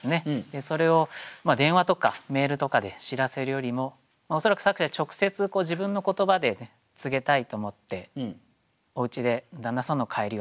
それを電話とかメールとかで知らせるよりも恐らく作者は直接自分の言葉で告げたいと思っておうちで旦那さんの帰りを待ってる。